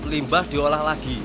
limbah diolah lagi